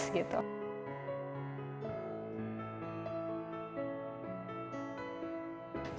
apa yang terbaik untuk memiliki keuntungan untuk memiliki keuntungan untuk memiliki keuntungan